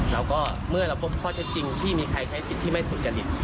แล้วก็เมื่อเราพบข้อเท็จจริงที่มีใครใช้สิทธิ์ที่ไม่สุจริต